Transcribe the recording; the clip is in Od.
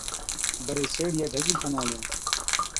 بڙي سيهڙِيئَي ڍڳِي کن آلَي،